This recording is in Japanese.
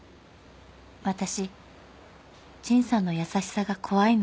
「私陳さんの優しさが怖いの。